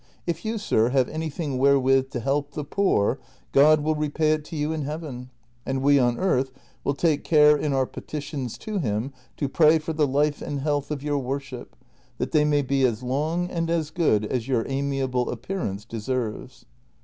If you, sir, have anything wherewith to help the poor, God will repay it to you in heaven, and we on earth will take care in our petitions to him to pray for the life and health of your worship, that they may be as long and as good as your amiable appearance deserves."